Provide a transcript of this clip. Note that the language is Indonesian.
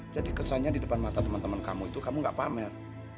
jadi kesannya di depan mata teman teman kamu itu kamu nggak pamer